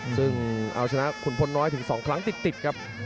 ซึ่งเอาชนะขุนพลน้อยถึง๒ครั้งติดครับ